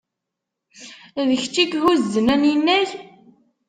D kečč i ihuzzen aninay?